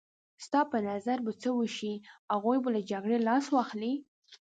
ستا په نظر څه به وشي؟ هغوی به له جګړې لاس واخلي.